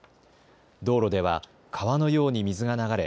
道路では川のように水が流れ